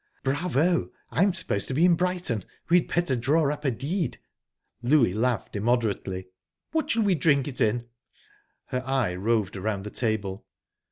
"Bravo! I'm supposed to be in Brighton. We'd better draw up a deed." Louie laughed immoderately. "What shall we drink it in?" Her eye roved round the table.